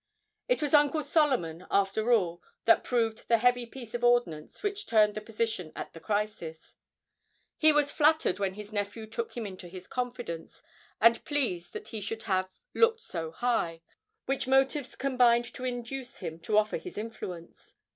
It was Uncle Solomon, after all, that proved the heavy piece of ordnance which turned the position at the crisis; he was flattered when his nephew took him into his confidence, and pleased that he should have 'looked so high,' which motives combined to induce him to offer his influence.